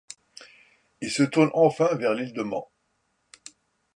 Ils se tournent enfin vers l'île de Man.